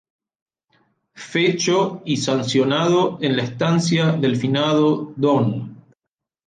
Fecho y sancionado en la Estancia del finado Dn.